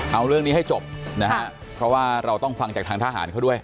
เอาเรื่องนี้ให้จบนะฮะเพราะว่าเราต้องฟังจากทางทหารเขาด้วย